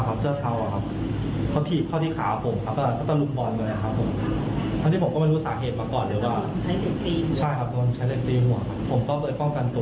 เขาก็ไม่มีคำตอบไม่มีอะไรให้เลย